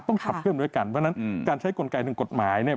ขับเคลื่อนด้วยกันเพราะฉะนั้นการใช้กลไกหนึ่งกฎหมายเนี่ย